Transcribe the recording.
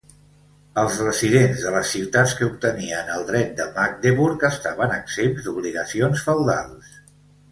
Els residents de les ciutats que obtenien el Dret de Magdeburg estaven exempts d'obligacions feudals.